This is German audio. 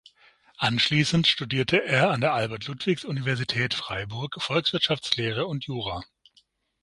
Anschließend studierte er an der Albert-Ludwigs-Universität Freiburg Volkswirtschaftslehre und Jura.